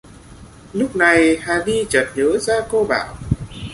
Lúc này hà ni chợt nhớ ra cô bảo